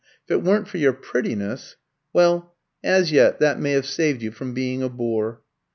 If it weren't for your prettiness well, as yet that may have saved you from being a bore."